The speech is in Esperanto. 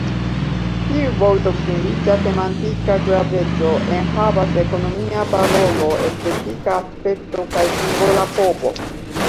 Tiu vorto, kun riĉa semantika graveco, enhavas ekonomia valoro, estetika aspekto kaj simbola povo.